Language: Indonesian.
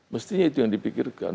mestinya itu yang dipikirkan